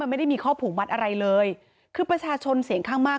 ไม่ได้มีข้อผูกมัดอะไรเลยคือประชาชนเสียงข้างมาก